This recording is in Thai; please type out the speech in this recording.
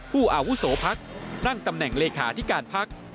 อาวุโสพักนั่งตำแหน่งเลขาธิการพัก